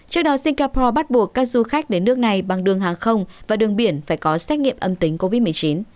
trước đó singapore bắt buộc các du khách đến nước này bằng đường hàng không và đường biển phải có xét nghiệm âm tính covid một mươi chín